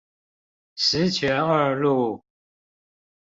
十全二路